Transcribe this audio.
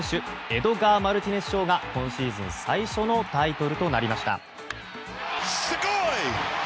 エドガー・マルティネス賞が今シーズン最初のタイトルとなりました。